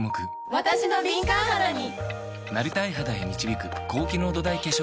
わたしの敏感肌に！